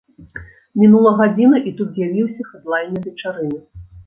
Мінула гадзіна і тут з'явіўся хэдлайнер вечарыны!